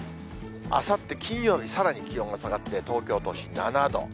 あさって金曜日、さらに気温が下がって、東京都心７度。